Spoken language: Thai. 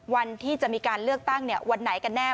วันที่จะมีการเลือกตั้งวันไหนกันแน่